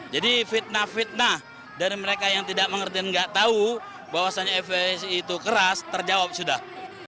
jadi fitnah fitnah dari mereka yang tidak mengerti dan tidak tahu bahwasannya fpi itu keras terjawab sudah